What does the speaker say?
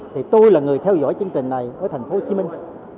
thì tôi là người theo dõi chương trình này với thành phố hồ chí minh